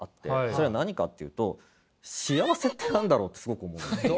それは何かっていうと幸せって何だろうってすごく思うんですよ。